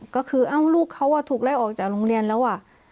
ก็คือเอ้าลูกเขาถูกไล่ออกจากโรงเรียนแล้ว